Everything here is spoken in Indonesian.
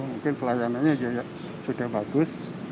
mungkin pelayanannya sudah bagus